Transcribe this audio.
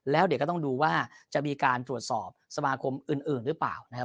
แล้วเดี๋ยวก็ต้องดูว่าจะมีการตรวจสอบสมาคมอื่นหรือเปล่านะครับ